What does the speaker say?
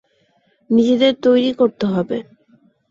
নিজেদের তৈরি করতে হবে।